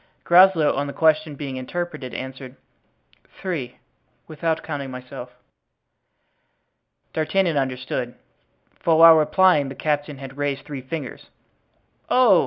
Groslow, on the question being interpreted, answered, "Three, without counting myself." D'Artagnan understood, for while replying the captain had raised three fingers. "Oh!"